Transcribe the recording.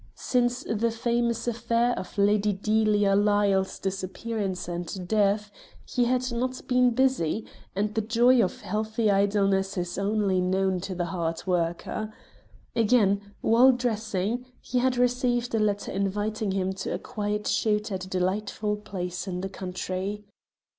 Since the famous affair of Lady Delia Lyle's disappearance and death, he had not been busy, and the joy of healthy idleness is only known to the hard worker. Again, while dressing, he had received a letter inviting him to a quiet shoot at a delightful place in the country.